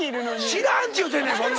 知らんっちゅうてんねん！